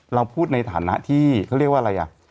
เราพูดในฐานะที่เขาเรียกว่าอะไรอ่ะ